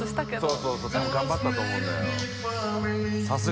そうそう多分頑張ったと思うんだよ。））